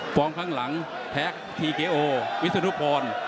ฟอร์มข้างหลังแพ้ทีเกโอวิสุธุพร